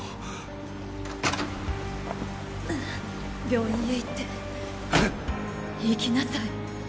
病院へ行ってえ？行きなさい！